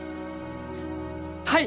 はい！